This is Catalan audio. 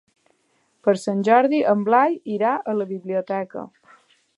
Per Sant Jordi en Blai irà a la biblioteca.